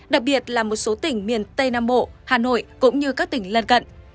đặc biệt là một số tỉnh miền tây nam bộ hà nội cũng như các tỉnh lân cận